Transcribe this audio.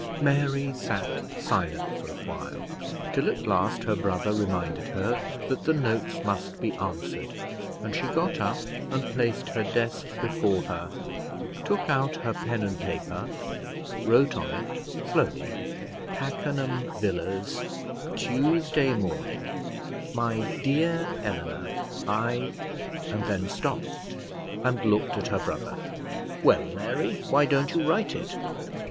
Mary sat silent for a while, till at last her brother reminded her that the notes must be answered, and she got up, and placed her desk before her, took out her pen and paper, wrote on it slowly: PAKENHAM VILLAS Tuesday morning MY DEAR ELEANOR, I and then stopped, and looked at her brother. "Well, Mary, why don't you write it?"